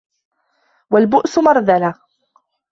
وَالْبُؤْسُ مَرْذَلَةٌ